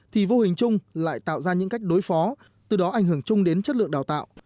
thì vô hình chung lại tạo ra những cách đối phó từ đó ảnh hưởng chung đến chất lượng đào tạo